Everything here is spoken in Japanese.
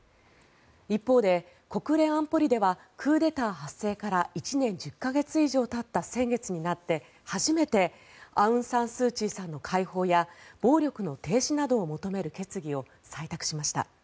一方で国連安保理ではクーデター発生から１年１０か月以上たった先月になって初めてアウンサンスーチーさんの解放や暴力の停止などを求める決議を採択しました。